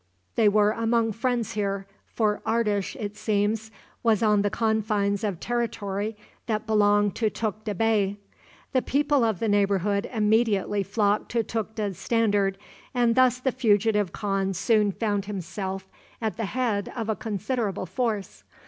They were among friends here, for Ardish, it seems, was on the confines of territory that belonged to Tukta Bey. The people of the neighborhood immediately flocked to Tukta's standard, and thus the fugitive khan soon found himself at the head of a considerable force.